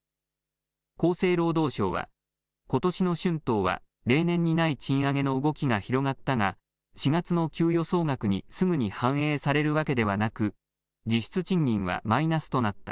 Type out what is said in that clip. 厚生労働省はことしの春闘は例年にない賃上げの動きが広がったが４月の給与総額にすぐに反映されるわけではなく実質賃金はマイナスとなった。